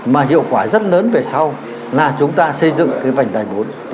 mà hiệu quả rất lớn về sau là chúng ta xây dựng cái vành đài bốn